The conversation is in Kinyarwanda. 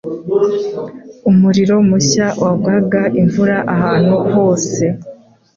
umuriro mushya wagwaga imvura ahantu hose